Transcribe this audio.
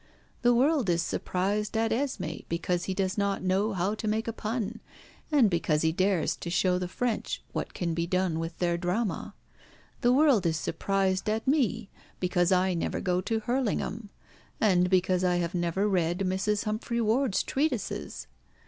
The world is surprised at Esmé because he does not know how to make a pun, and because he dares to show the French what can be done with their drama. The world is surprised at me because I never go to Hurlingham, and because I have never read Mrs. Humphrey Ward's treatises!